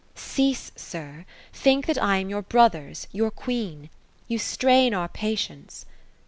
" Cease, sir ; think that. I am your brother's ;— ^your queen. Yi.u strain our patience."